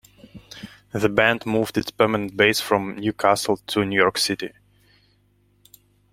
The band moved its permanent base from Newcastle to New York City.